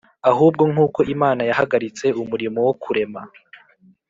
ahubwo nkuko Imana yahagaritse umurimo wo kurema